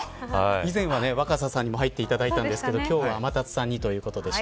以前は、若狭さんにも入っていただきましたが天達さんにということです。